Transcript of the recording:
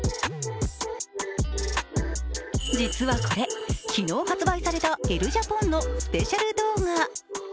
実はこれ、昨日発売された「ＥＬＬＥＪＡＰＯＮ」のスペシャル動画。